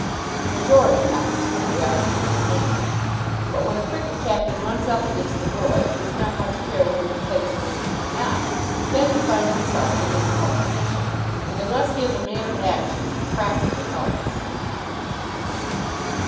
The majority, consequently, are easily handled. But when a cricket captain runs up against a boy who does not much care whether he plays for the team or not, then he finds himself in a difficult position, and, unless he is a man of action, practically helpless.